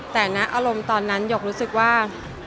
แต่ณอารมณ์ตอนนั้นหยกรู้สึกว่า